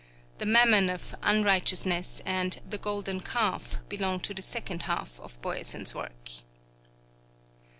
'The Mammon of Unrighteousness' and 'The Golden Calf' belong to the second half of Boyesen's work.